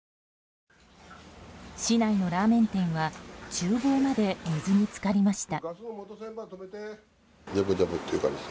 市内のラーメン店は厨房まで水に浸かりました。